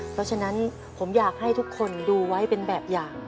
เพราะฉะนั้นผมอยากให้ทุกคนดูไว้เป็นแบบอย่าง